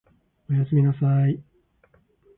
お休みなさい